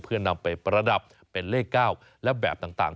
เพื่อนำไปประดับเป็นเลข๙และแบบต่าง